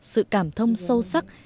sự cảm thông sâu sắc